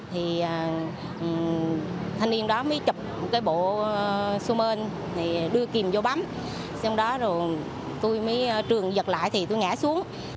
thì thanh niên đó mới chụp cái bộ xe men thì đưa kìm vô bấm sau đó rồi tôi mới trường giật lại thì tôi ngã xuống